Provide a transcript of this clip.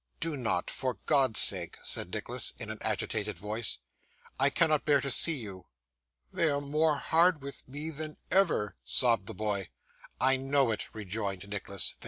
'Do not for God's sake,' said Nicholas, in an agitated voice; 'I cannot bear to see you.' 'They are more hard with me than ever,' sobbed the boy. 'I know it,' rejoined Nicholas.